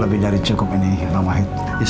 silakan menginap di kamar ini